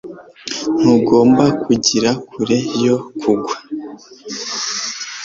Ntugomba kugira kure yo kugwa